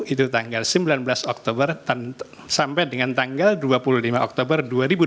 itu tanggal sembilan belas oktober sampai dengan tanggal dua puluh lima oktober dua ribu dua puluh